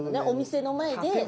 お店の前で。